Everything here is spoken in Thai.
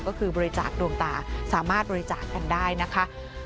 ก็คือบริจาคดวงตาสามารถบริจาคกันได้นะคะ